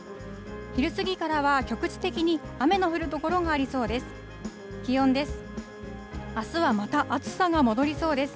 昼過ぎからは局地的に雨の降る所がありそうです。